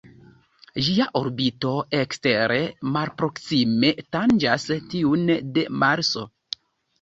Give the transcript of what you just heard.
Ĝia orbito ekstere malproksime tanĝas tiun de Marso.